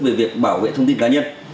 về việc bảo vệ thông tin cá nhân